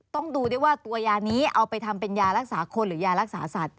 ต้องดูด้วยว่าตัวยานี้เอาไปทำเป็นยารักษาคนหรือยารักษาสัตว